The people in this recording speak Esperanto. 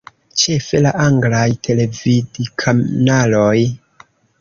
Ĉefe la anglaj televidkanaloj.